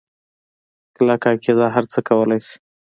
کلکه عقیده هرڅه کولی شي.